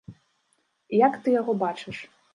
Як ты яго бачыш?